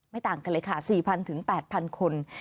ต่างกันเลยค่ะ๔๐๐๘๐๐คน